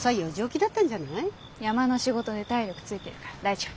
山の仕事で体力ついてるから大丈夫。